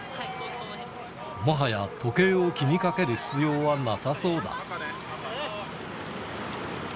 もはや時計を気にかける必要はなさそうだ。